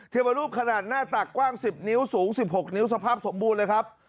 เทวรูปขนาดหน้าตักกว้าง๑๐นิ้วสูง๑๖นิ้วสภาพสมบูรณ์เลยครับ